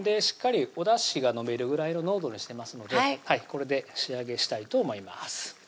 しっかりおだしが飲めるぐらいの濃度にしてますのでこれで仕上げしたいと思います